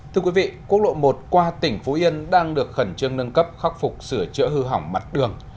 thưa quý vị quốc lộ một qua tỉnh phú yên đang được khẩn trương nâng cấp khắc phục sửa chữa hư hỏng mặt đường